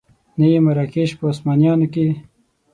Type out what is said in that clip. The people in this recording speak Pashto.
نه یې مراکش په عثمانیانو کې.